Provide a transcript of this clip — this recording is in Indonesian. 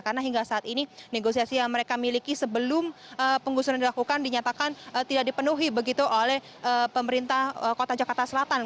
karena hingga saat ini negosiasi yang mereka miliki sebelum penggusuran dilakukan dinyatakan tidak dipenuhi begitu oleh pemerintah kota jakarta selatan